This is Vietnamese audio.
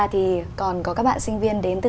thì còn có các bạn sinh viên đến từ